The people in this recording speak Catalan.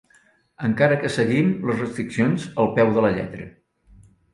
Encara que seguim les restriccions al peu de la lletra.